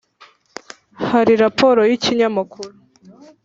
Hari raporo y ikinyamakuru